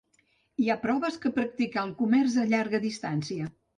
Hi ha proves que practicà el comerç a llarga distància.